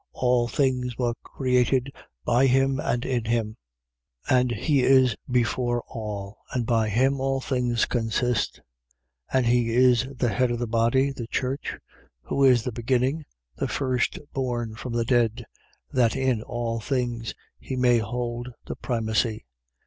All things were created by him and in him. 1:17. And he is before all: and by him all things consist. 1:18. And he is the head of the body, the church: who is the beginning, the firstborn from the dead, that in all things he may hold the primacy: 1:19.